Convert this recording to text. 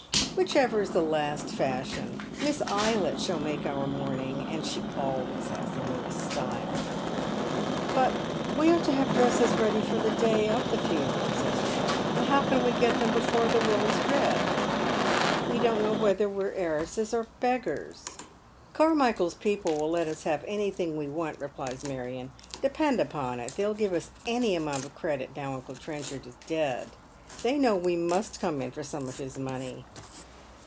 " Whichever is the last fashion. Miss Eylett shall make our mourning, and she always has the newest style." " Bui we ought to have dresses ready for the day of the funeral," says Jenny. " And how can we get them before the will is read ? We don't know whether we're heiresses or beggars." " Carniichael's people \vill let us have anything we want," replies Marion. " Depend upon it they'll give us any amount of credit now uncle Trenchard is dead. They know we must come in for some of his money."